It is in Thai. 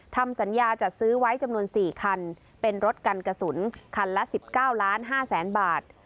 ทำสัญญาจัดซื้อไว้จำนวน๔คันเป็นรถกันกระสุนคันละ๑๙๕๐๐๐๐บาท